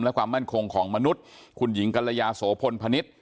และความมั่นคงของมนุษย์คุณหญิงกัลยาโสพลพนิษฐ์